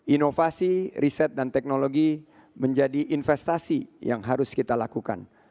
inovasi riset dan teknologi menjadi investasi yang harus kita lakukan